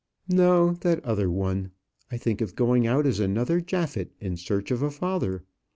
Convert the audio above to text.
"No, that other one: I think of going out as another Japhet in search of a father.